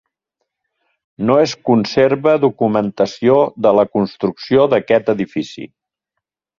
No es conserva documentació de la construcció d'aquest edifici.